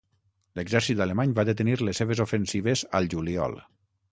L'exèrcit alemany va detenir les seves ofensives al juliol.